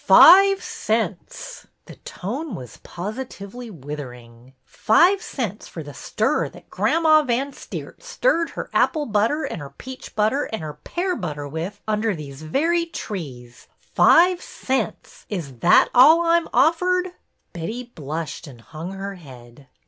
" Five cents !" The tone was positively wither ing. " Five cents for the stirrer that Gramma Van Steert stirred her apple butter an' her peach butter an' her pear butter with under these very trees! Five cents! Is that all I'm offered?" Betty blushed and hung her head.